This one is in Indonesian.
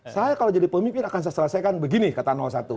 saya kalau jadi pemimpin akan saya selesaikan begini kata satu